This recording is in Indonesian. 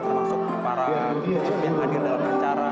termasuk para kucing yang hadir dalam acara